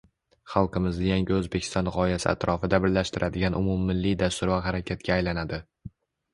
xalqimizni Yangi O‘zbekiston g‘oyasi atrofida birlashtiradigan umummilliy dastur va harakatga aylanadi.